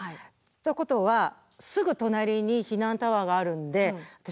ということはすぐ隣に避難タワーがあるんで私